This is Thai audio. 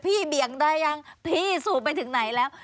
เบี่ยงได้ยังพี่สูบไปถึงไหนแล้ว